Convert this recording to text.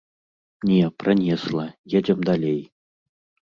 Не, пранесла, едзем далей.